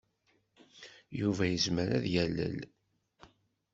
Yuba yezmer ad yalel.